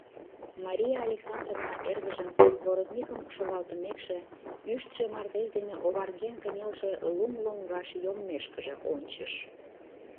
Мария Александровна эргыжым, воротникым шогалтымекше, ӱштшӧ мардеж дене оварген кынелше лум лоҥгаш йоммешкыже ончыш...